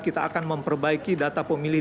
kita akan memperbaiki data pemilih